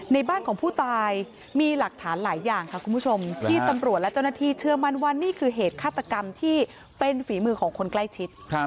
ในบ้านของผู้ตายมีหลักฐานหลายอย่างค่ะคุณผู้ชมที่ตำรวจและเจ้าหน้าที่เชื่อมั่นว่านี่คือเหตุฆาตกรรมที่เป็นฝีมือของคนใกล้ชิด